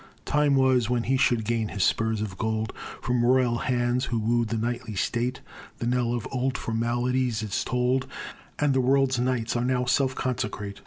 Time was when he should gain his spurs of gold From royal hands, who woo'd the knightly state; The knell of old formalities is toll'd, And the world's knights are now self consecrate.